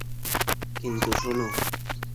কিন্তু, শোনো!